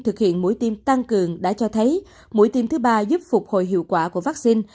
thực hiện mũi tiêm tăng cường đã cho thấy mũi tiêm thứ ba giúp phục hồi hiệu quả của vaccine